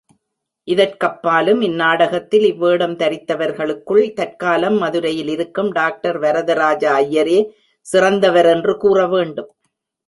இதற்கப்பாலும் இந்நாடகத்தில் இவ்வேடம் தரித்தவர்களுக்குள் தற்காலம் மதுரையில் இருக்கும் டாக்டர் வரதராஜ ஐயரே சிறந்தவர் என்று கூற வேண்டும்.